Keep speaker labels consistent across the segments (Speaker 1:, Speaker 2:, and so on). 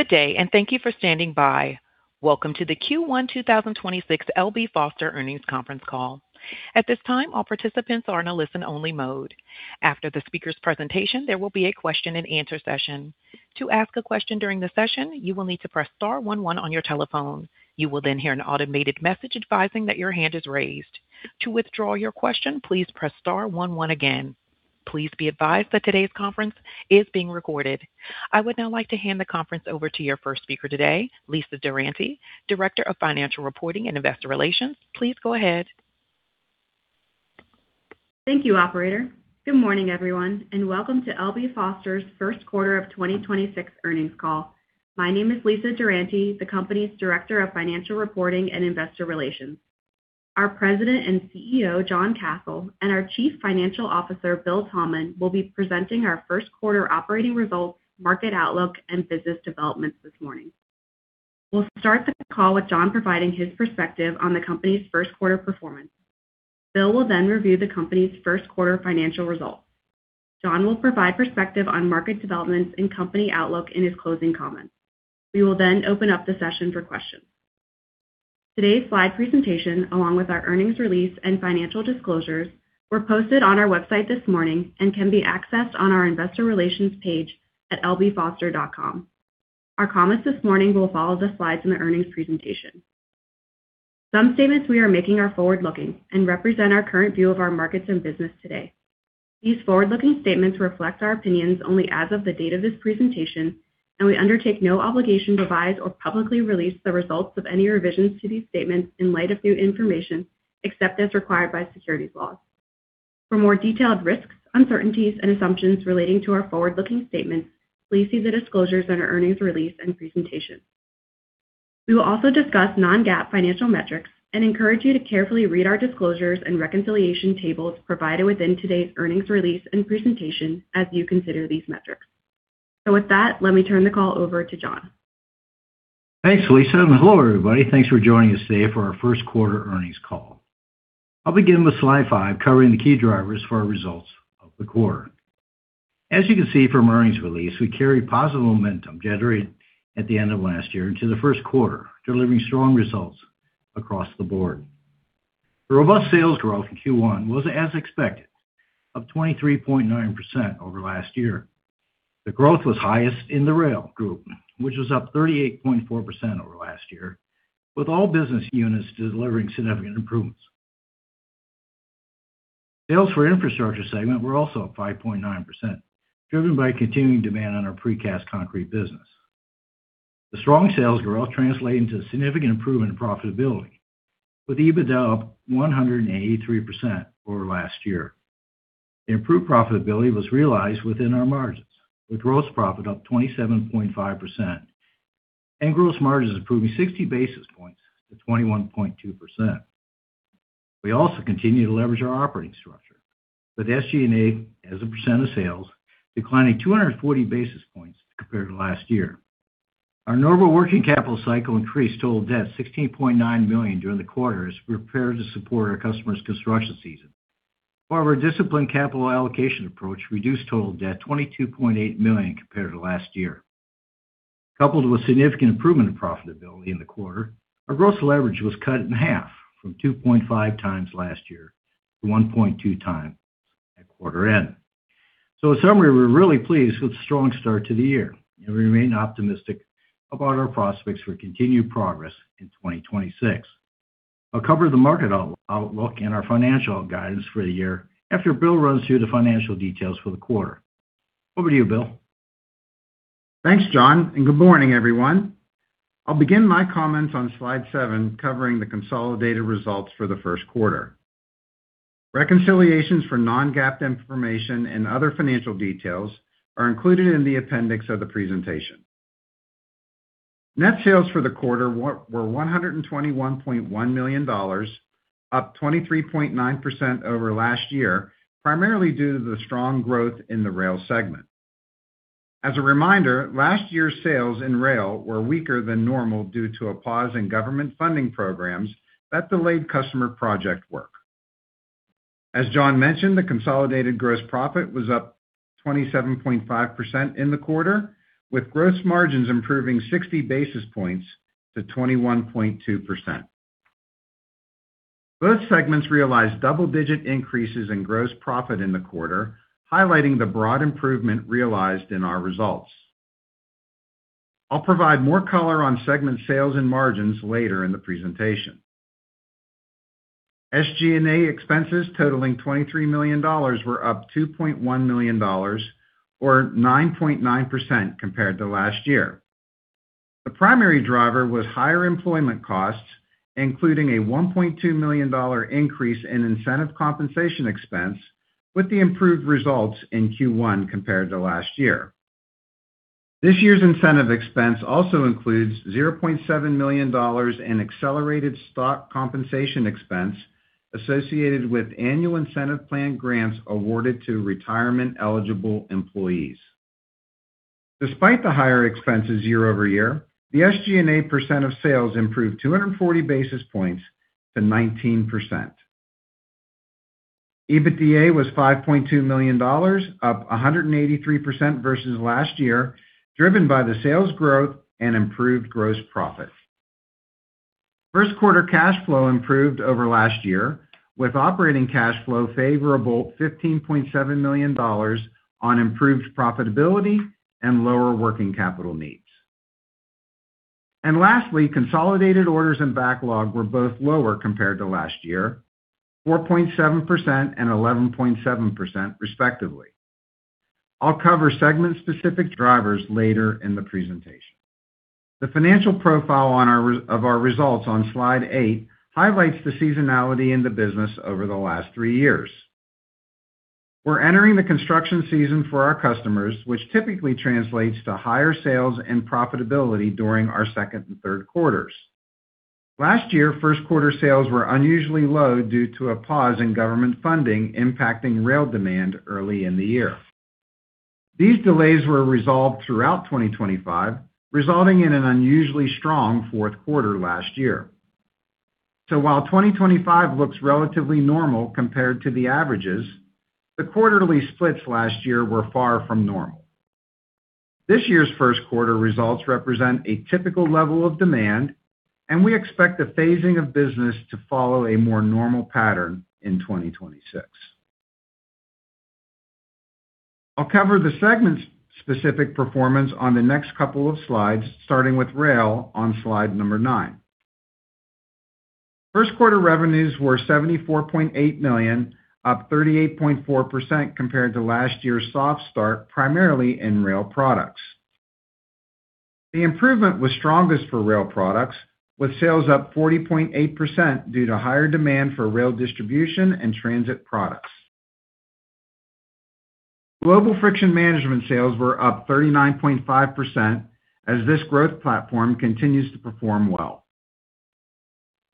Speaker 1: Good day, and thank you for standing by. Welcome to the Q1 2026 L.B. Foster earnings conference call. At this time all participants are in a listen-only mode. After the speakers presentation there will be a question-and-answer session. To ask a question during the session, you will need to press star one one on your telephone. You will then hear an automated message inviting that your hand is raised. To withdraw your question, please press star one one again. Please be advised that today's conference is being recorded. I would now like to hand the conference over to your first speaker today, Lisa Durante, Director of Financial Reporting and Investor Relations. Please go ahead.
Speaker 2: Thank you, operator. Good morning, everyone. Welcome to L.B. Foster's first quarter of 2026 earnings call. My name is Lisa Durante, the company's Director of Financial Reporting and Investor Relations. Our President and CEO, John Kasel, and our Chief Financial Officer, William Thalman, will be presenting our first quarter operating results, market outlook, and business developments this morning. We'll start the call with John providing his perspective on the company's first quarter performance. Bill will then review the company's first quarter financial results. John will provide perspective on market developments and company outlook in his closing comments. We will then open up the session for questions. Today's slide presentation, along with our earnings release and financial disclosures, were posted on our website this morning and can be accessed on our investor relations page at lbfoster.com. Our comments this morning will follow the slides in the earnings presentation. Some statements we are making are forward-looking and represent our current view of our markets and business today. These forward-looking statements reflect our opinions only as of the date of this presentation, and we undertake no obligation to revise or publicly release the results of any revisions to these statements in light of new information, except as required by securities laws. For more detailed risks, uncertainties, and assumptions relating to our forward-looking statements, please see the disclosures in our earnings release and presentation. We will also discuss non-GAAP financial metrics and encourage you to carefully read our disclosures and reconciliation tables provided within today's earnings release and presentation as you consider these metrics. With that, let me turn the call over to John.
Speaker 3: Thanks, Lisa. Hello, everybody. Thanks for joining us today for our first quarter earnings call. I'll begin with slide five, covering the key drivers for our results of the quarter. As you can see from our earnings release, we carried positive momentum generated at the end of last year into the first quarter, delivering strong results across the board. The robust sales growth in Q1 was as expected, up 23.9% over last year. The growth was highest in the Rail group, which was up 38.4% over last year, with all business units delivering significant improvements. Sales for Infrastructure segment were also up 5.9%, driven by continuing demand on our Precast Concrete business. The strong sales growth translating to significant improvement in profitability, with EBITDA up 183% over last year. The improved profitability was realized within our margins, with gross profit up 27.5% and gross margins improving 60 basis points to 21.2%. We also continue to leverage our operating structure, with SG&A as a % of sales declining 240 basis points compared to last year. Our normal working capital cycle increased total debt $16.9 million during the quarter as we prepare to support our customers' construction season. Our disciplined capital allocation approach reduced total debt $22.8 million compared to last year. Coupled with significant improvement in profitability in the quarter, our gross leverage was cut in half from 2.5x last year to 1.2x at quarter end. In summary, we're really pleased with the strong start to the year and remain optimistic about our prospects for continued progress in 2026. I'll cover the market outlook and our financial guidance for the year after Bill runs through the financial details for the quarter. Over to you, Bill.
Speaker 4: Thanks, John, and good morning, everyone. I'll begin my comments on slide seven covering the consolidated results for the first quarter. Reconciliations for non-GAAP information and other financial details are included in the appendix of the presentation. Net sales for the quarter were $121.1 million, up 23.9% over last year, primarily due to the strong growth in the Rail segment. As a reminder, last year's sales in Rail were weaker than normal due to a pause in government funding programs that delayed customer project work. As John mentioned, the consolidated gross profit was up 27.5% in the quarter, with gross margins improving 60 basis points to 21.2%. Both segments realized double-digit increases in gross profit in the quarter, highlighting the broad improvement realized in our results. I'll provide more color on segment sales and margins later in the presentation. SG&A expenses totaling $23 million were up $2.1 million or 9.9% compared to last year. The primary driver was higher employment costs, including a $1.2 million increase in incentive compensation expense with the improved results in Q1 compared to last year. This year's incentive expense also includes $0.7 million in accelerated stock compensation expense associated with annual incentive plan grants awarded to retirement-eligible employees. Despite the higher expenses year-over-year, the SG&A percent of sales improved 240 basis points to 19%. EBITDA was $5.2 million, up 183% versus last year, driven by the sales growth and improved gross profit. First quarter cash flow improved over last year, with operating cash flow favorable $15.7 million on improved profitability and lower working capital needs. Lastly, consolidated orders and backlog were both lower compared to last year, 4.7% and 11.7% respectively. I'll cover segment specific drivers later in the presentation. The financial profile of our results on slide eight highlights the seasonality in the business over the last three years. We're entering the construction season for our customers, which typically translates to higher sales and profitability during our second and third quarters. Last year, first quarter sales were unusually low due to a pause in government funding impacting Rail demand early in the year. These delays were resolved throughout 2025, resulting in an unusually strong fourth quarter last year. While 2025 looks relatively normal compared to the averages, the quarterly splits last year were far from normal. This year's first quarter results represent a typical level of demand, and we expect the phasing of business to follow a more normal pattern in 2026. I'll cover the segment-specific performance on the next couple of slides, starting with Rail on slide nine. First quarter revenues were $74.8 million, up 38.4% compared to last year's soft start, primarily in Rail Products. The improvement was strongest for Rail Products, with sales up 40.8% due to higher demand for Rail distribution and transit products. Global Friction Management sales were up 39.5% as this growth platform continues to perform well.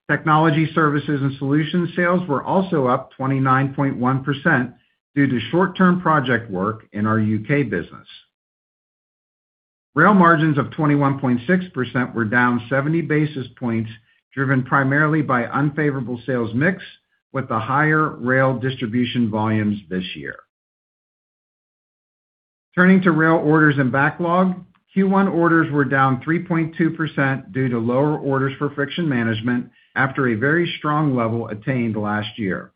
Speaker 4: Technology Services and Solutions sales were also up 29.1% due to short-term project work in our U.K. business. Rail margins of 21.6% were down 70 basis points, driven primarily by unfavorable sales mix with the higher Rail distribution volumes this year. Turning to Rail orders and backlog, Q1 orders were down 3.2% due to lower orders for Friction Management after a very strong level attained last year.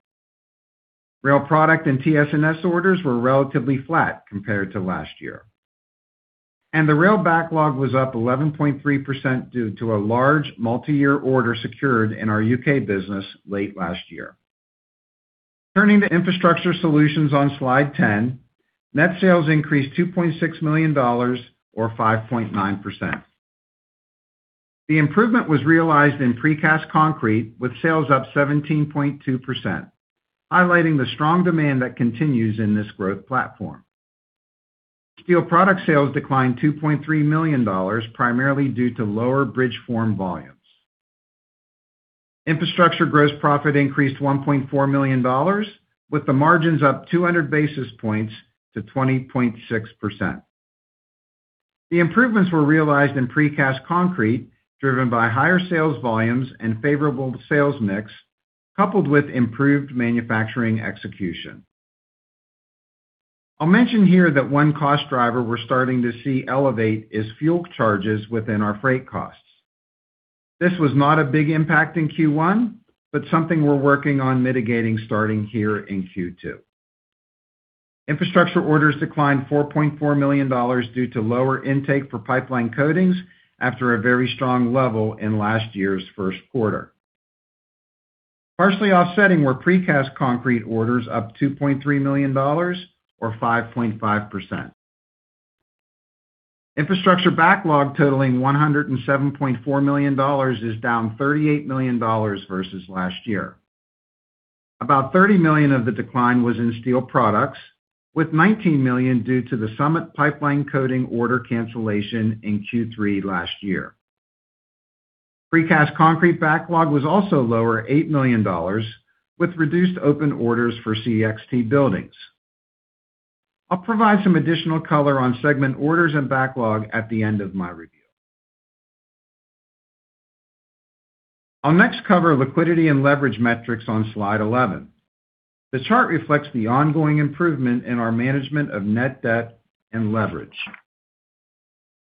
Speaker 4: Rail Products and TS&S orders were relatively flat compared to last year. The Rail backlog was up 11.3% due to a large multi-year order secured in our U.K. business late last year. Turning to infrastructure solutions on Slide 10, net sales increased $2.6 million or 5.9%. The improvement was realized in Precast Concrete, with sales up 17.2%, highlighting the strong demand that continues in this growth platform. Steel product sales declined $2.3 million, primarily due to lower bridge forms volumes. Infrastructure gross profit increased $1.4 million, with the margins up 200 basis points to 20.6%. The improvements were realized in Precast Concrete, driven by higher sales volumes and favorable sales mix, coupled with improved manufacturing execution. I'll mention here that one cost driver we're starting to see elevate is fuel charges within our freight costs. This was not a big impact in Q1, but something we're working on mitigating starting here in Q2. Infrastructure orders declined $4.4 million due to lower intake for pipeline coatings after a very strong level in last year's first quarter. Partially offsetting were Precast Concrete orders up $2.3 million or 5.5%. Infrastructure backlog totaling $107.4 million is down $38 million versus last year. About $30 million of the decline was in steel products, with $19 million due to the Summit pipeline coatings order cancellation in Q3 last year. Precast Concrete backlog was also lower, $8 million, with reduced open orders for CXT Buildings. I'll provide some additional color on segment orders and backlog at the end of my review. I'll next cover liquidity and leverage metrics on slide 11. The chart reflects the ongoing improvement in our management of net debt and leverage.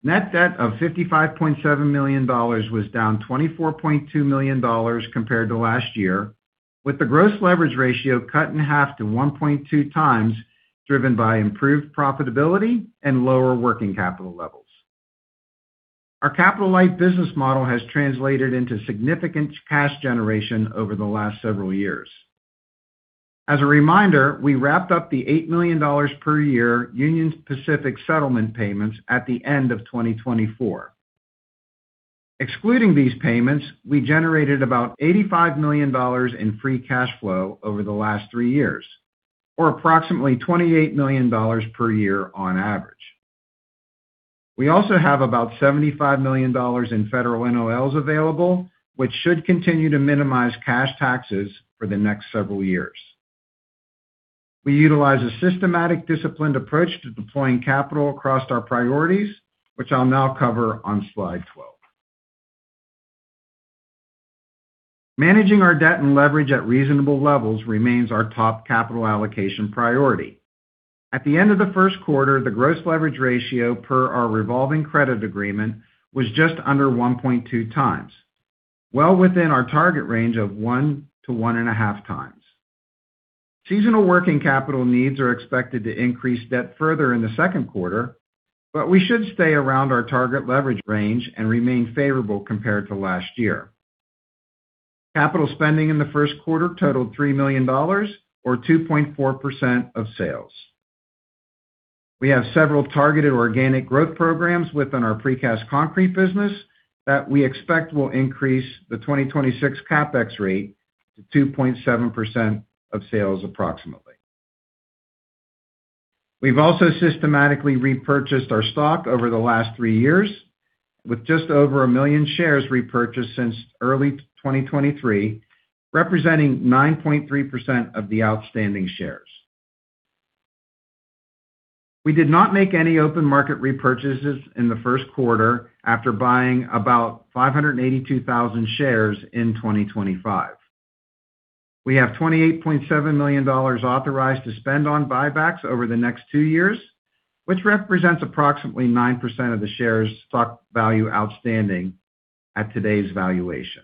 Speaker 4: Net debt of $55.7 million was down $24.2 million compared to last year, with the gross leverage ratio cut in half to 1.2x, driven by improved profitability and lower working capital levels. Our capital-light business model has translated into significant cash generation over the last several years. As a reminder, we wrapped up the $8 million per year Union Pacific settlement payments at the end of 2024. Excluding these payments, we generated about $85 million in free cash flow over the last three years, or approximately $28 million per year on average. We also have about $75 million in federal NOLs available, which should continue to minimize cash taxes for the next several years. We utilize a systematic, disciplined approach to deploying capital across our priorities, which I'll now cover on slide 12. Managing our debt and leverage at reasonable levels remains our top capital allocation priority. At the end of the first quarter, the gross leverage ratio per our revolving credit agreement was just under 1.2x, well within our target range of 1-1.5x. Seasonal working capital needs are expected to increase debt further in the second quarter, but we should stay around our target leverage range and remain favorable compared to last year. Capital spending in the first quarter totaled $3 million or 2.4% of sales. We have several targeted organic growth programs within our Precast Concrete business that we expect will increase the 2026 CapEx rate to 2.7% of sales approximately. We've also systematically repurchased our stock over the last three years, with just over 1 million shares repurchased since early 2023, representing 9.3% of the outstanding shares. We did not make any open market repurchases in the first quarter after buying about 582,000 shares in 2025. We have $28.7 million authorized to spend on buybacks over the next two years, which represents approximately 9% of the shares stock value outstanding at today's valuation.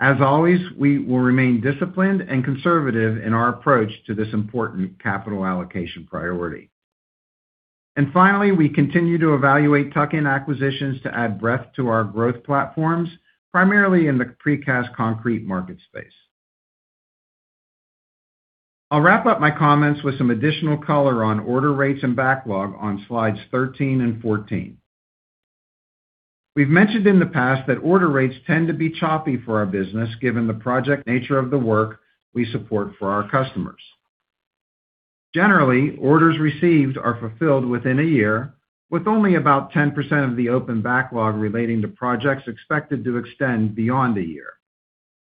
Speaker 4: As always, we will remain disciplined and conservative in our approach to this important capital allocation priority. Finally, we continue to evaluate tuck-in acquisitions to add breadth to our growth platforms, primarily in the Precast Concrete market space. I'll wrap up my comments with some additional color on order rates and backlog on slides 13 and 14. We've mentioned in the past that order rates tend to be choppy for our business, given the project nature of the work we support for our customers. Generally, orders received are fulfilled within a year, with only about 10% of the open backlog relating to projects expected to extend beyond a year.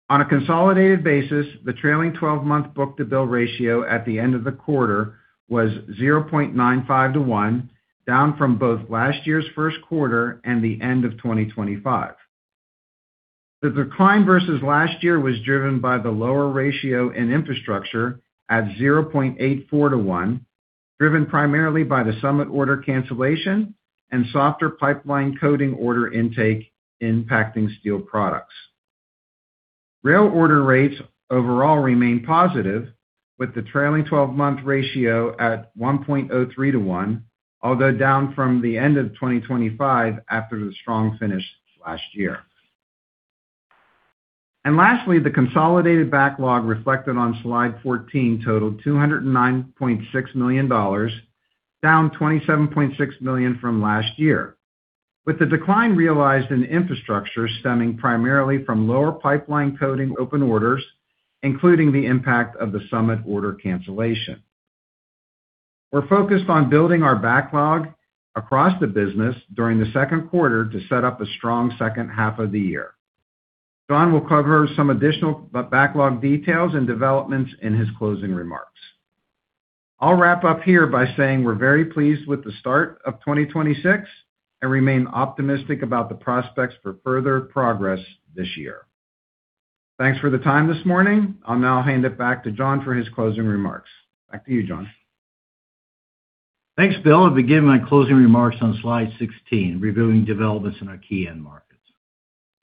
Speaker 4: On a consolidated basis, the trailing 12-month book-to-bill ratio at the end of the quarter was 0.95/1, down from both last year's first quarter and the end of 2025. The decline versus last year was driven by the lower ratio in infrastructure at 0.84/1, driven primarily by the Summit order cancellation and softer pipeline coatings order intake impacting steel products. Rail order rates overall remain positive, with the trailing 12-month ratio at 1.03/1, although down from the end of 2025 after the strong finish last year. Lastly, the consolidated backlog reflected on slide 14 totaled $209.6 million, down $27.6 million from last year, with the decline realized in infrastructure stemming primarily from lower pipeline coating open orders, including the impact of the Summit order cancellation. We're focused on building our backlog across the business during the second quarter to set up a strong second half of the year. John will cover some additional backlog details and developments in his closing remarks. I'll wrap up here by saying we're very pleased with the start of 2026 and remain optimistic about the prospects for further progress this year. Thanks for the time this morning. I'll now hand it back to John for his closing remarks. Back to you, John.
Speaker 3: Thanks, Bill. I'll begin my closing remarks on slide 16, reviewing developments in our key end markets.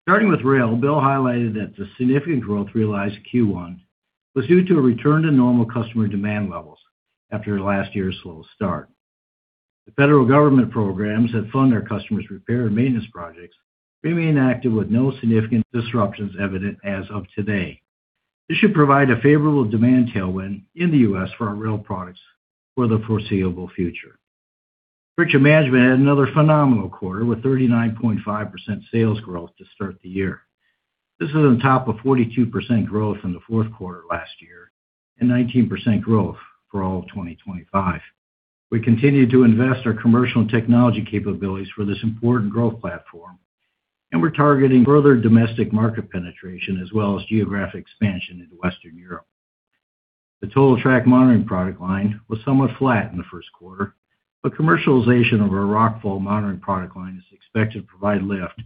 Speaker 3: Starting with Rail, Bill highlighted that the significant growth realized in Q1 was due to a return to normal customer demand levels after last year's slow start. The federal government programs that fund our customers' repair and maintenance projects remain active with no significant disruptions evident as of today. This should provide a favorable demand tailwind in the U.S. for our Rail Products for the foreseeable future. Friction Management had another phenomenal quarter, with 39.5% sales growth to start the year. This is on top of 42% growth in the fourth quarter last year and 19% growth for all of 2025. We continue to invest our commercial and technology capabilities for this important growth platform, and we're targeting further domestic market penetration as well as geographic expansion into Western Europe. The Total Track Monitoring product line was somewhat flat in the first quarter, but commercialization of our Rockfall Monitoring product line is expected to provide lift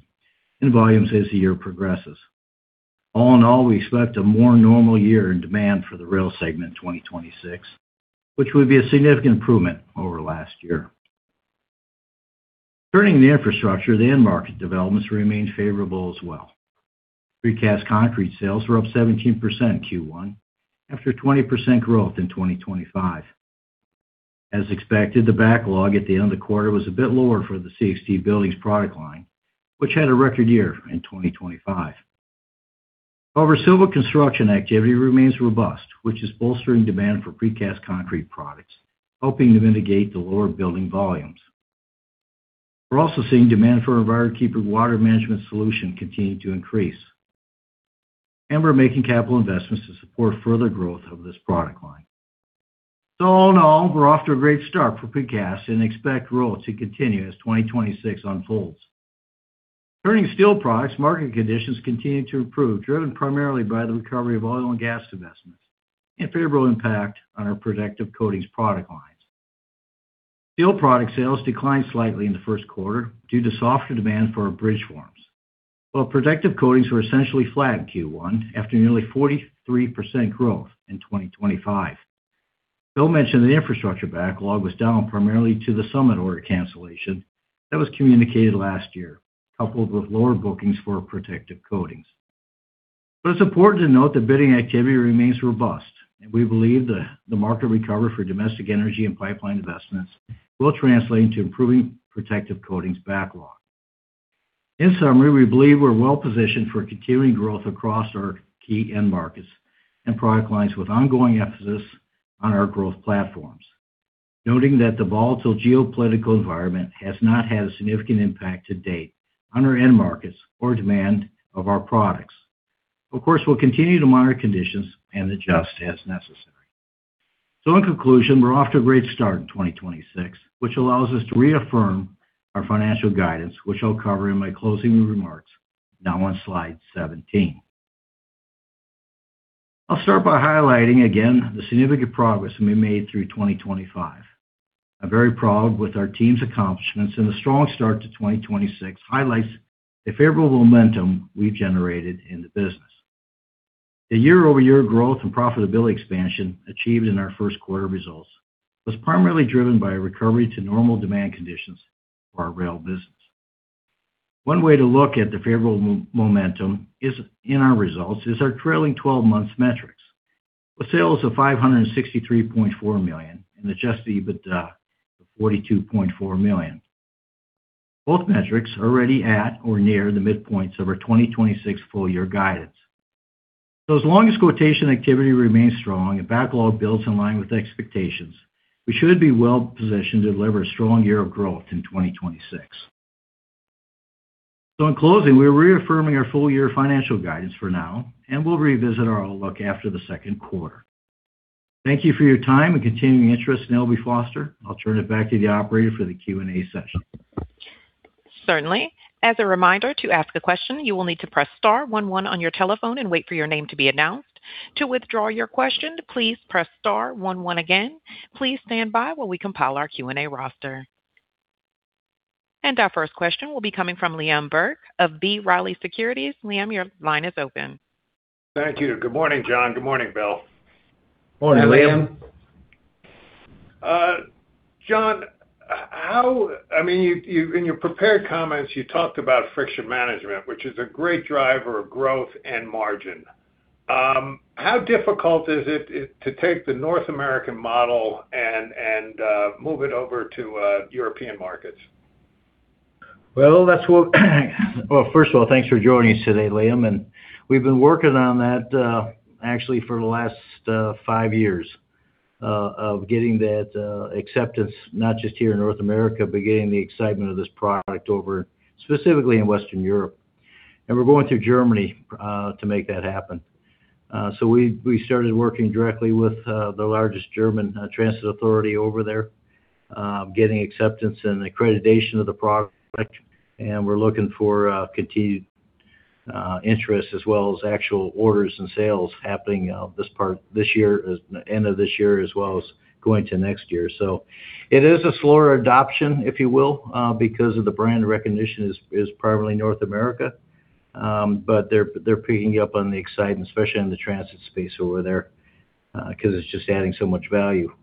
Speaker 3: in volumes as the year progresses. All in all, we expect a more normal year in demand for the Rail segment in 2026, which would be a significant improvement over last year. Turning to Infrastructure, the end market developments remain favorable as well. Precast Concrete sales were up 17% in Q1 after 20% growth in 2025. As expected, the backlog at the end of the quarter was a bit lower for the CXT Buildings product line, which had a record year in 2025. However, civil construction activity remains robust, which is bolstering demand for Precast Concrete products, helping to mitigate the lower building volumes. We're also seeing demand for our Envirokeeper water management solution continue to increase, and we're making capital investments to support further growth of this product line. All in all, we're off to a great start for precast and expect growth to continue as 2026 unfolds. Turning to steel products, market conditions continue to improve, driven primarily by the recovery of oil and gas investments and favorable impact on our Protective Coatings product line. Steel product sales declined slightly in the first quarter due to softer demand for our bridge forms. While Protective Coatings were essentially flat in Q1 after nearly 43% growth in 2025. Bill mentioned the infrastructure backlog was down primarily to the Summit order cancellation that was communicated last year, coupled with lower bookings for Protective Coatings. It's important to note that bidding activity remains robust, and we believe the market recovery for domestic energy and pipeline investments will translate into improving Protective Coatings backlog. In summary, we believe we're well-positioned for continuing growth across our key end markets and product lines with ongoing emphasis on our growth platforms. Noting that the volatile geopolitical environment has not had a significant impact to date on our end markets or demand of our products. Of course, we'll continue to monitor conditions and adjust as necessary. In conclusion, we're off to a great start in 2026, which allows us to reaffirm our financial guidance, which I'll cover in my closing remarks now on slide 17. I'll start by highlighting again the significant progress we made through 2025. I'm very proud with our team's accomplishments. The strong start to 2026 highlights the favorable momentum we've generated in the business. The year-over-year growth and profitability expansion achieved in our first quarter results was primarily driven by a recovery to normal demand conditions for our Rail business. One way to look at the favorable momentum in our results is our trailing 12 months metrics, with sales of $563.4 million and adjusted EBITDA of $42.4 million. Both metrics are already at or near the midpoints of our 2026 full year guidance. As long as quotation activity remains strong and backlog builds in line with expectations, we should be well positioned to deliver a strong year of growth in 2026. In closing, we're reaffirming our full year financial guidance for now, and we'll revisit our outlook after the second quarter. Thank you for your time and continuing interest in L.B. Foster. I'll turn it back to the operator for the Q&A session.
Speaker 1: Certainly. As a reminder, to ask a question, you will need to press star one one on your telephone and wait for your name to be announced. To withdraw your question, please press star one one again. Please stand by while we compile our Q&A roster. Our first question will be coming from Liam Burke of B. Riley Securities. Liam, your line is open.
Speaker 5: Thank you. Good morning, John. Good morning, Bill.
Speaker 3: Morning, Liam.
Speaker 5: John, I mean, you In your prepared comments, you talked about Friction Management, which is a great driver of growth and margin. How difficult is it to take the North American model and move it over to European markets?
Speaker 3: Well, first of all, thanks for joining us today, Liam. We've been working on that, actually for the last five years, of getting that acceptance, not just here in North America, but getting the excitement of this product over specifically in Western Europe. We're going through Germany to make that happen. We started working directly with the largest German transit authority over there, getting acceptance and accreditation of the product. We're looking for continued interest as well as actual orders and sales happening this year, end of this year as well as going to next year. It is a slower adoption, if you will, because of the brand recognition is primarily North America. They're picking up on the excitement, especially in the transit space over there, 'cause it's just adding so much value.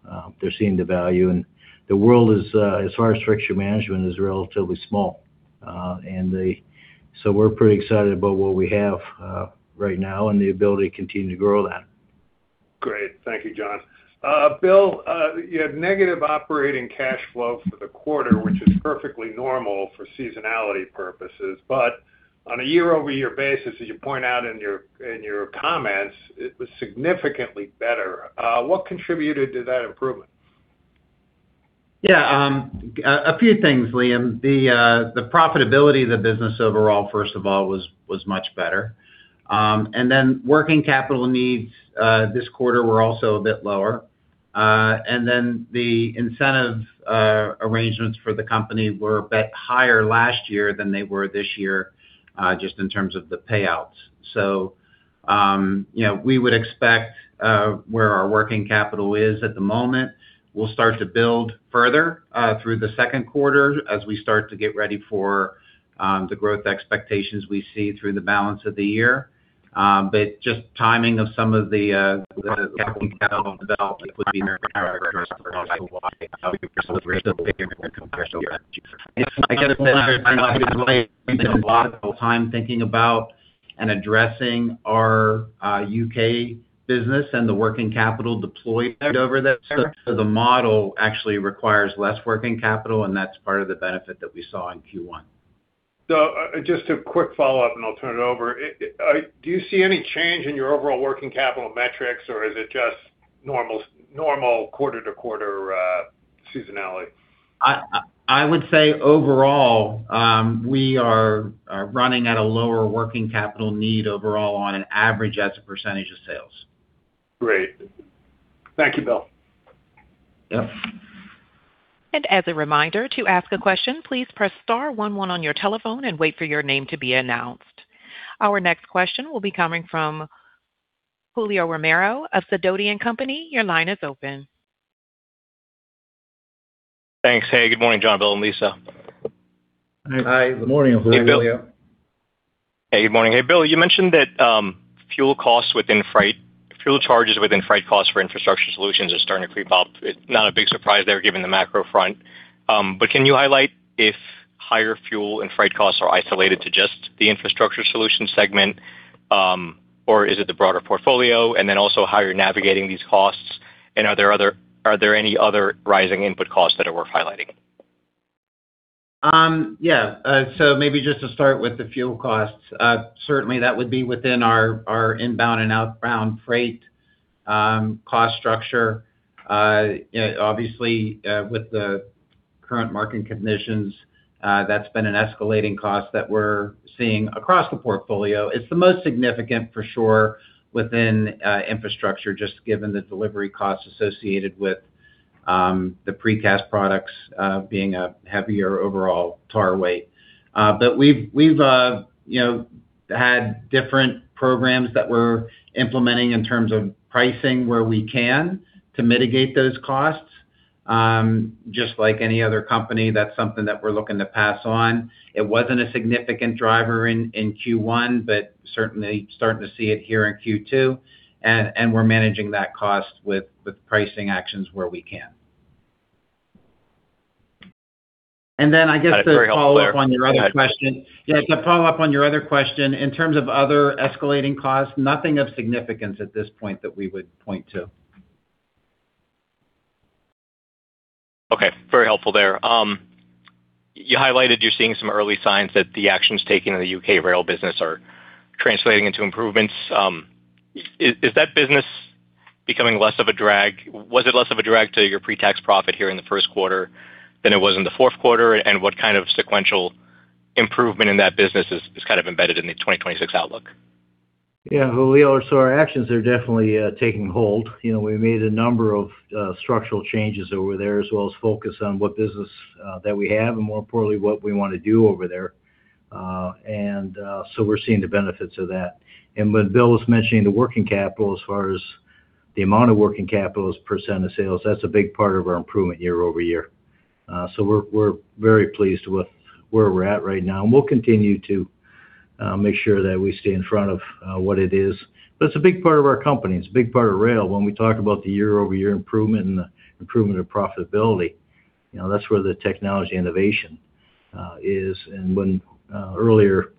Speaker 3: They're seeing the value. The world is, as far as Friction Management, is relatively small. We're pretty excited about what we have right now and the ability to continue to grow that.
Speaker 5: Great. Thank you, John. Bill, you had negative operating cash flow for the quarter, which is perfectly normal for seasonality purposes. On a year-over-year basis, as you point out in your, in your comments, it was significantly better. What contributed to that improvement?
Speaker 4: Yeah, a few things, Liam. The profitability of the business overall, first of all, was much better. Working capital needs this quarter were also a bit lower. The incentive arrangements for the company were a bit higher last year than they were this year, just in terms of the payouts. You know, we would expect where our working capital is at the moment. We'll start to build further through the second quarter as we start to get ready for the growth expectations we see through the balance of the year. Just timing of some of the working capital development with the American Recovery Act for high-speed Rail. We're still figuring that comparison out. I gotta say, I know you've been waiting. We spend a lot of time thinking about and addressing our U.K. business and the working capital deployed over there. The model actually requires less working capital, and that's part of the benefit that we saw in Q1.
Speaker 5: Just a quick follow-up, and I'll turn it over. Do you see any change in your overall working capital metrics, or is it just normal quarter-to-quarter seasonality?
Speaker 4: I would say overall, we are running at a lower working capital need overall on an average as a percentage of sales.
Speaker 5: Great. Thank you, Bill.
Speaker 4: Yep.
Speaker 1: As a reminder, to ask a question, please press star one one on your telephone and wait for your name to be announced Our next question will be coming from Julio Romero of Sidoti & Company, your line is open.
Speaker 6: Thanks. Hey, good morning, John, William, and Lisa.
Speaker 3: Hi. Good morning, Julio.
Speaker 6: Hey, Bill. Hey, good morning. Hey, Bill, you mentioned that fuel charges within freight costs for infrastructure solutions are starting to creep up. It's not a big surprise there given the macro front. Can you highlight if higher fuel and freight costs are isolated to just the infrastructure solution segment or is it the broader portfolio? Also how you're navigating these costs, and are there any other rising input costs that are worth highlighting?
Speaker 4: Yeah. So maybe just to start with the fuel costs. Certainly that would be within our inbound and outbound freight cost structure. You know, obviously, with the current market conditions, that's been an escalating cost that we're seeing across the portfolio. It's the most significant for sure within Infrastructure, just given the delivery costs associated with the Precast Concrete products, being a heavier overall tar weight. We've, we've, you know, had different programs that we're implementing in terms of pricing where we can to mitigate those costs. Just like any other company, that's something that we're looking to pass on. It wasn't a significant driver in Q1, but certainly starting to see it here in Q2. We're managing that cost with pricing actions where we can. I guess to follow up on your other question.
Speaker 6: That's very helpful there. Go ahead.
Speaker 4: Yeah, to follow up on your other question, in terms of other escalating costs, nothing of significance at this point that we would point to.
Speaker 6: Okay, very helpful there. You highlighted you're seeing some early signs that the actions taken in the U.K. Rail business are translating into improvements. Is that business becoming less of a drag? Was it less of a drag to your pre-tax profit here in the first quarter than it was in the fourth quarter? What kind of sequential improvement in that business is kind of embedded in the 2026 outlook?
Speaker 3: Yeah, Julio, our actions are definitely taking hold. You know, we made a number of structural changes over there, as well as focus on what business that we have, and more importantly, what we wanna do over there. We're seeing the benefits of that. When Bill was mentioning the working capital as far as the amount of working capital as % of sales, that's a big part of our improvement year-over-year. We're very pleased with where we're at right now, and we'll continue to make sure that we stay in front of what it is. It's a big part of our company. It's a big part of Rail. When we talk about the year-over-year improvement and the improvement of profitability, you know, that's where the technology innovation is. When, earlier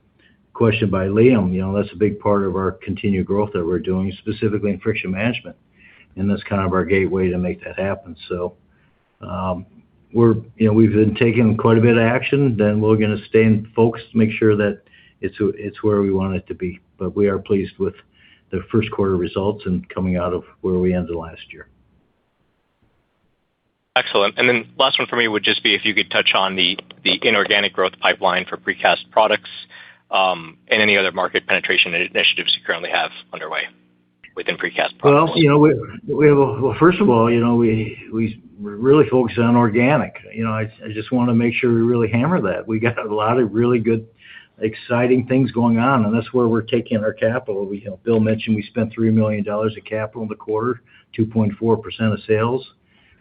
Speaker 3: question by Liam, you know, that's a big part of our continued growth that we're doing, specifically in Friction Management, and that's kind of our gateway to make that happen. We've been taking quite a bit of action, then we're gonna stay focused to make sure that it's where we want it to be. We are pleased with the first quarter results and coming out of where we ended last year.
Speaker 6: Excellent. Last one for me would just be if you could touch on the inorganic growth pipeline for precast products, and any other market penetration initiatives you currently have underway within precast products.
Speaker 3: Well, you know, first of all, you know, we're really focused on organic. You know, I just wanna make sure we really hammer that. We got a lot of really good, exciting things going on, and that's where we're taking our capital. We, you know, Bill mentioned we spent $3 million of capital in the quarter, 2.4% of sales.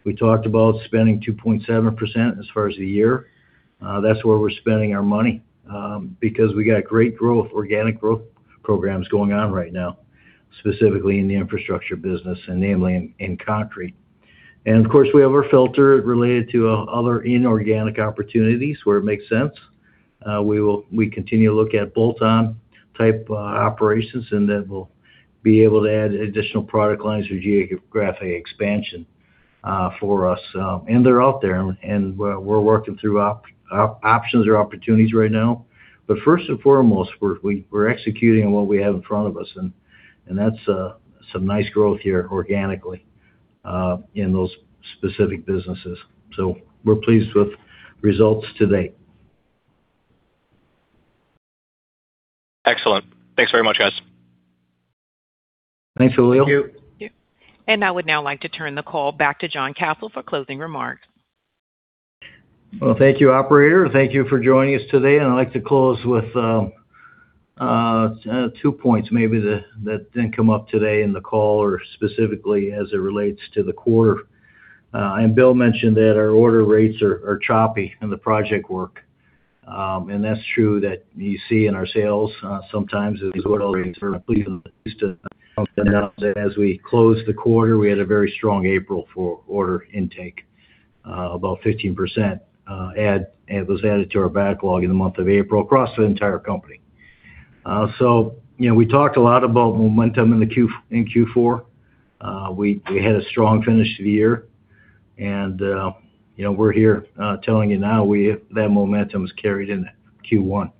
Speaker 3: We talked about spending 2.7% as far as the year. That's where we're spending our money because we got great growth, organic growth programs going on right now, specifically in the Infrastructure business, and namely in Concrete. Of course, we have our filter related to other inorganic opportunities where it makes sense. We continue to look at bolt-on type operations, and then we'll be able to add additional product lines for geographic expansion for us. They're out there, and we're working through options or opportunities right now. First and foremost, we're executing on what we have in front of us, and that's some nice growth here organically in those specific businesses. We're pleased with results to date.
Speaker 6: Excellent. Thanks very much, guys.
Speaker 3: Thanks, Julio.
Speaker 2: Thank you.
Speaker 1: I would now like to turn the call back to John Kasel for closing remarks.
Speaker 3: Well, thank you, operator. Thank you for joining us today. I'd like to close with two points maybe that didn't come up today in the call or specifically as it relates to the quarter. Bill mentioned that our order rates are choppy in the project work. That's true that you see in our sales, sometimes as order rates are pleasing used to as we close the quarter, we had a very strong April for order intake, about 15% was added to our backlog in the month of April across the entire company. You know, we talked a lot about momentum in Q4. We had a strong finish to the year, you know, we're here telling you now that momentum is carried into Q1.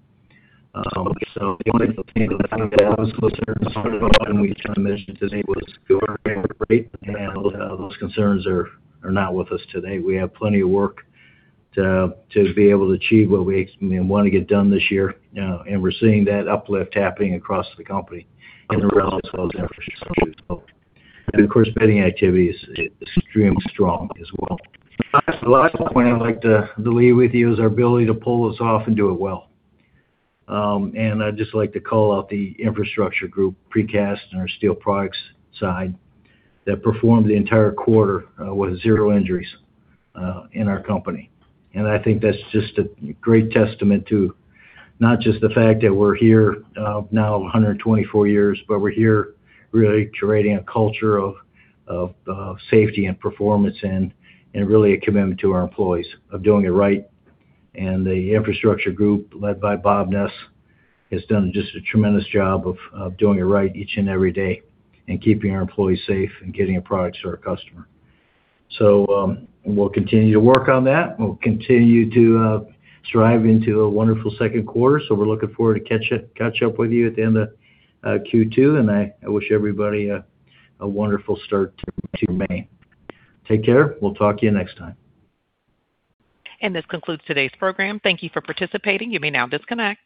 Speaker 3: The only thing that I was concerned about and we just mentioned is able to secure and those concerns are not with us today. We have plenty of work to be able to achieve what we, you know, want to get done this year. We're seeing that uplift happening across the company in the Rail as well as Infrastructure. Of course, bidding activity is extremely strong as well. Last point I'd like to leave with you is our ability to pull this off and do it well. I'd just like to call out the Infrastructure group, Precast and our Steel Products side that performed the entire quarter with zero injuries in our company. I think that's just a great testament to not just the fact that we're here, now 124 years, but we're here really curating a culture of safety and performance and really a commitment to our employees of doing it right. The Infrastructure group, led by Bob Ness, has done just a tremendous job of doing it right each and every day and keeping our employees safe and getting a product to our customer. We'll continue to work on that. We'll continue to strive into a wonderful second quarter. We're looking forward to catch up with you at the end of Q2, I wish everybody a wonderful start to May. Take care. We'll talk to you next time.
Speaker 1: This concludes today's program. Thank you for participating. You may now disconnect.